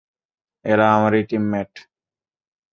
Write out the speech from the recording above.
এরা আমারই টিমমেট।